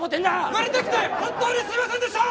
生まれてきて本当にすみませんでした！